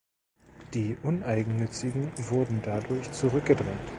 Die Uneigennützigen wurden dadurch zurückgedrängt.